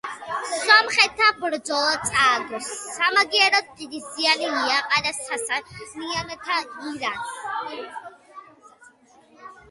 სომხეთმა ბრძოლა წააგო, სამაგიეროდ დიდი ზიანი მიაყენა სასანიანთა ირანს.